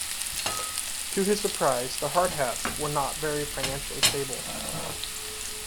To his surprise, the "Hardhats" were not very financially stable.